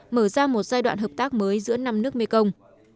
mở ra một giai đoạn hợp tác mới giữa năm nước mekong